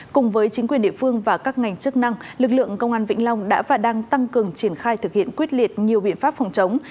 cùng với chính quyền địa phương và các ngành chức năng lực lượng công an vĩnh long đã và đang tăng cường triển khai thực hiện quyết liệt nhiều biện pháp phòng chống